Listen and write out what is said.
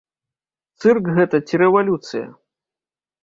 Цырк гэта ці рэвалюцыя?